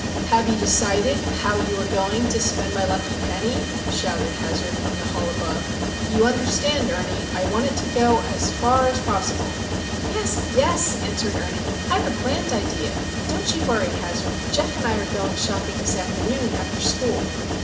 "Have you decided—how you are going—to spend my lucky penny?" shouted Hazard from the hall above. "You understand, Ernie,—I want it to go—as far as possible!" "Yes! yes!" answered Ernie. "I've a grand idea! Don't you worry, Hazard. Geof and I are going shopping this afternoon after school."